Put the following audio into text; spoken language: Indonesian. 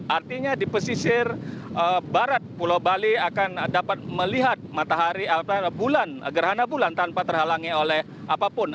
artinya di pesisir barat pulau bali akan dapat melihat matahari bulan gerhana bulan tanpa terhalangi oleh apapun